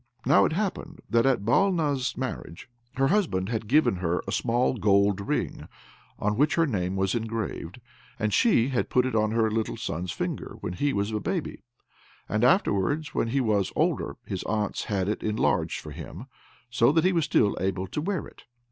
Now it happened that at Balna's marriage her husband had given her a small gold ring on which her name was engraved, and she had put it on her little son's finger when he was a baby, and afterwards when he was older his aunts had had it enlarged for him, so that he was still able to wear it.